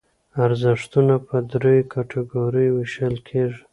ارزښتونه په دریو کټګوریو ویشل کېږي.